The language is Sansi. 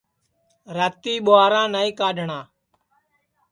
راتی ٻُہارا نائیں کڈؔھٹؔاں